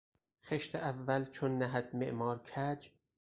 خشت اول چون نهد معمار کج...